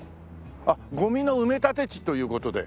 あっゴミの埋め立て地という事で。